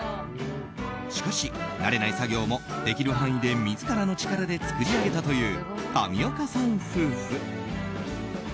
しかし慣れない作業もできる範囲で自らの力で作り上げたという上岡さん夫婦。